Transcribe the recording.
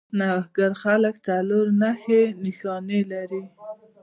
نوښتګر خلک څلور نښې نښانې لري.